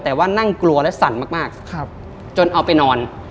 แต่ว่านั่งกลัวและสั่นมากจนเอาไปนอน